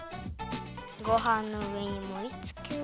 ごはんのうえにもりつける。